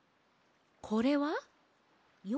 これは？よ